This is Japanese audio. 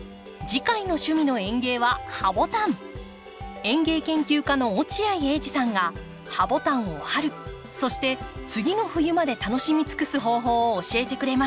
園芸研究家の落合英司さんがハボタンを春そして次の冬まで楽しみつくす方法を教えてくれます。